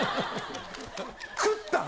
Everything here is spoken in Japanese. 食ったの？